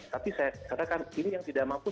tapi saya katakan ini yang tidak mampu